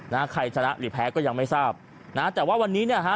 นะฮะใครชนะหรือแพ้ก็ยังไม่ทราบนะฮะแต่ว่าวันนี้เนี่ยฮะ